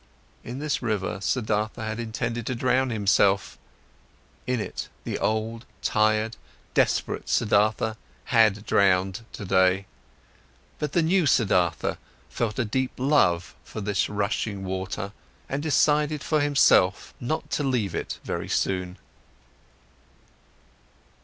In this river, Siddhartha had intended to drown himself, in it the old, tired, desperate Siddhartha had drowned today. But the new Siddhartha felt a deep love for this rushing water, and decided for himself, not to leave it very soon.